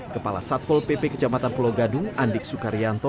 kepala satpol pp kejamatan pulau gadung andik sukaryanto